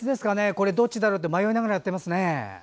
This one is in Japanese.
これ、どっちだろう？って迷いながらやってますね。